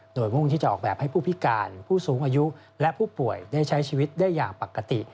โดยมุ่งที่จะออกแบบให้ผู้พิการผู้สูงอายุและผู้ป่วยได้ใช้ชีวิตได้อย่างปกติ